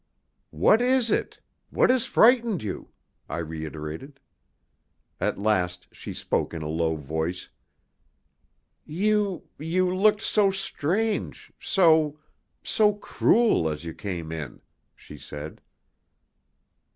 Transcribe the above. "What is it? What has frightened you?" I reiterated. At last she spoke in a low voice. "You you looked so strange, so so cruel as you came in," she said.